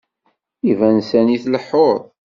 Iban sani tleḥḥuḍ.